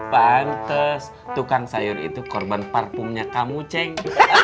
pantes tukang sayur itu korban parfumnya kamu ceng